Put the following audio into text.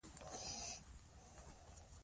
خپل حق وغواړئ.